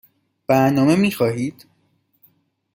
برنامه می خواهید؟